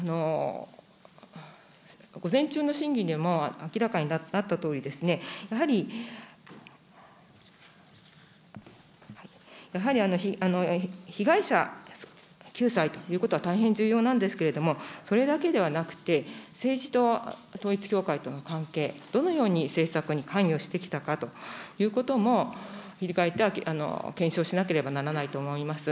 午前中の審議でも明らかになったとおりですね、やはり、やはり被害者救済ということは大変重要なんですけれども、それだけではなくて、政治と統一教会との関係、どのように政策に関与してきたかということも、振り返って検証しなければならないと思います。